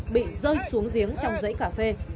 bị rơi xuống giếng trong giấy cà phê